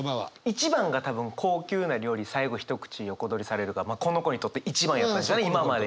一番が多分「高級な料理最後ひと口横取りされる」がこの子にとって一番やった今までが。